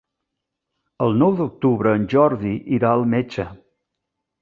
El nou d'octubre en Jordi irà al metge.